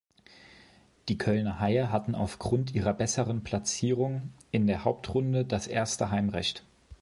Die Kölner Haie hatten aufgrund ihrer besseren Platzierung in der Hauptrunde das erste Heimrecht.